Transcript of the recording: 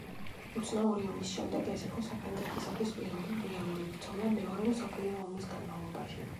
უცნაური ომის შემდეგ ეს იყო საფრანგეთისათვის პირველი რეალური ბრძოლა მეორე მსოფლიო ომის განმავლობაში.